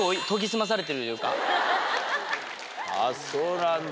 あっそうなんだ。